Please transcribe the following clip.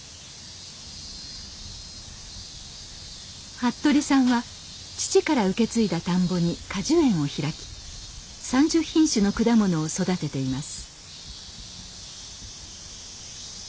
服部さんは父から受け継いだ田んぼに果樹園を開き３０品種の果物を育てています。